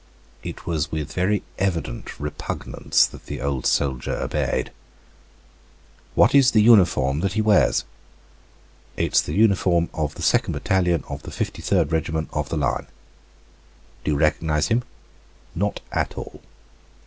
It was with very evident repugnance that the old soldier obeyed. "What is the uniform that he wears?" "It is the uniform of the 2d battalion of the 53d regiment of the line." "Do you recognize him?" "Not at all."